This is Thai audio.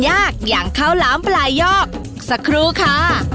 ยากอย่างข้าวหลามปลายอกสักครู่ค่ะ